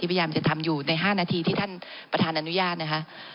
พยายามจะทำอยู่ใน๕นาทีที่ท่านประธานอนุญาตนะคะ